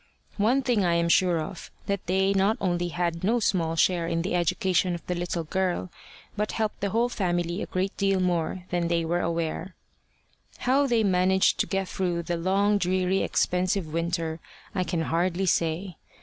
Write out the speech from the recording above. One thing I am sure of, that they not only had no small share in the education of the little girl, but helped the whole family a great deal more than they were aware. How they managed to get through the long dreary expensive winter, I can hardly say.